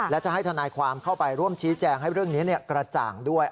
และจะให้ทนายความเข้าไปร่วมชี้แจงให้เรื่องนี้กระจ่างด้วย